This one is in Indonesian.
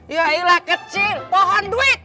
yailah kecil pohon duit